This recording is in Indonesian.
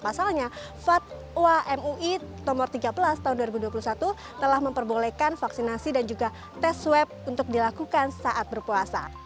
pasalnya fatwa mui nomor tiga belas tahun dua ribu dua puluh satu telah memperbolehkan vaksinasi dan juga tes swab untuk dilakukan saat berpuasa